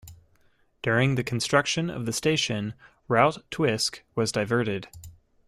During the construction of the station, Route Twisk was diverted.